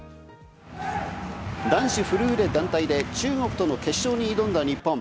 男子フルーレ団体で、中国との決勝に挑んだ日本。